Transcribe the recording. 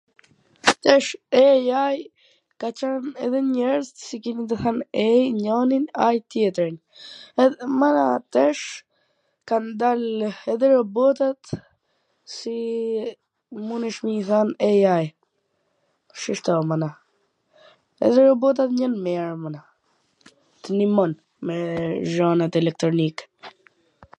Tash, ei ai ka qwn edhe me njerzit, si kena tu than ei njonin, ai tjetrin. Mana, tesh kan dal edhe robotat si munesh me i than ei ai, shishto mana, edhe robotat jan t mira mana, t nimon me xhanat elektronike.